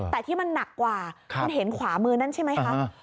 แต่ที่มันหนักกว่าคุณเห็นขวามือนั้นใช่ไหมคะ